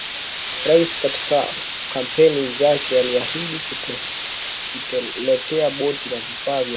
Rais katika kampeni zake aliahidi kutuletea boti na vifaa vya uvuvi